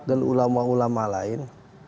dan ulama ulama lain